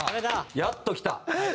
やっときた！